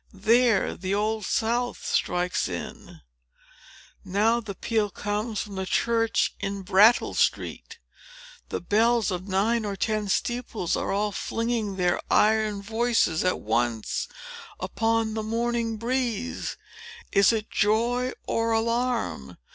—there, the Old South strikes in!—now, the peal comes from the church in Brattle street!—the bells of nine or ten steeples are all flinging their iron voices, at once, upon the morning breeze! Is it joy or alarm?